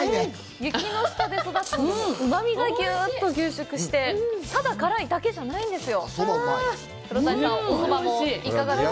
雪の下で育ててうまみがギュッと凝縮してて、ただ辛いだけじゃないんですよ。